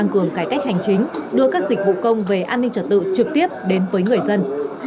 công về an ninh trật tự trực tiếp đến với người dân